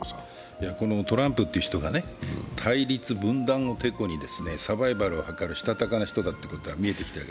トランプっていう人が対立・分断をてこにサバイバルを図るしたたかな人だっていうのが見えてきました。